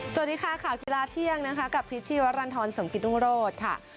สวัสดีค่ะข่าวกีฬาเที่ยงนะคะกับพิษชีวรรณฑรสมกิตรุงโรธค่ะ